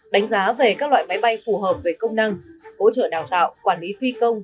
đánh giá về các loại máy bay phù hợp với công năng hỗ trợ đào tạo quản lý phi công